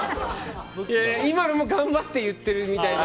今のも頑張って言っているみたいな。